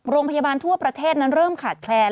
โรงพยาบาลทั่วประเทศนั้นเริ่มขาดแคลน